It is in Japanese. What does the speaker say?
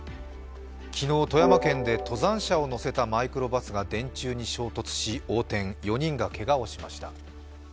昨日、富山県で登山者を乗せたマイクロバスが横転、４人がけがをしました。